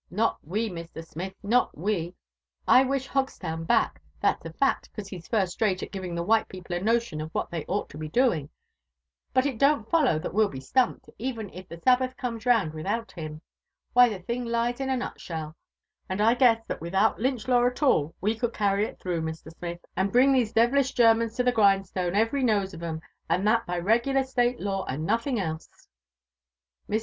"Not we, Mr. Smith, not we. I wish Hogstown back, that's a fad, 'cause lie's first rate at giving the white people a notion of what they ou^t to be doing; but it don't follow that well be sfampt, even if the Sabbath comes round without him. Why the thing lies in a nut shell, and I guess that without Lynch*law «l all we tiofM carry it through, Mr. Smith, and bring these devilisb Germans to the grindstone every nose of 'em, and that by regolar State^law and nothing else." Mr.